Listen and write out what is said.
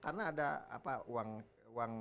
akhirnya kelihatan di lapangan